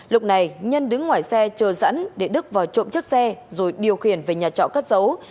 lúc này nhân đứng ngoài xe chờ dẫn để đức vào trộm chiếc xe rồi điều khiển về nhà trọ cất giấu